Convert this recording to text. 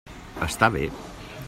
Està bé?